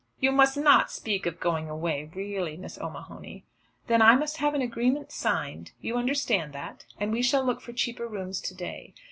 "You must not speak of going away, really, Miss O'Mahony." "Then I must have an agreement signed. You understand that. And we shall look for cheaper rooms to day.